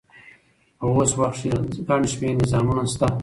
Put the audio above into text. په اوس وخت کښي ګڼ شمېر نظامونه سته.